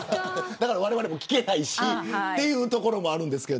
だから、われわれも聞けないしというところもあります。